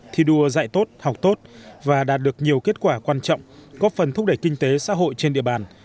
thi đua dạy tốt học tốt và đạt được nhiều kết quả quan trọng góp phần thúc đẩy kinh tế xã hội trên địa bàn